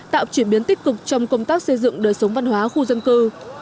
tạo chuyển biến tích cực trong công tác xây dựng đời sống văn hóa khu dân cư